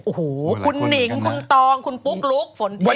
โอ้โหคุณหนิงคุณตองคุณปุ๊กลุ๊กฝนตก